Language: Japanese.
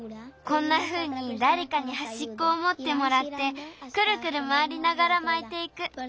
こんなふうにだれかにはしっこをもってもらってクルクルまわりながらまいていく。